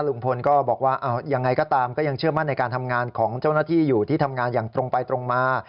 ลุงพลก็บอกว่ายังไงก็ตามก็ยังเชื่อมั่นในการทำงานของเจ้าหน้าที่อยู่ที่ทำงานอย่างตรงไปตรงมา